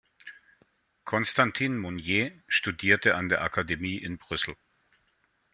Constantin Meunier studierte an der Akademie in Brüssel.